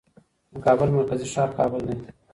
د کابل مرکزي ښار کابل دی.